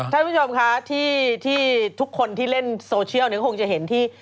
ท่านผู้ชมค่ะที่ทุกคนที่เล่นโซเชียลเนี่ยคงจะเห็นที่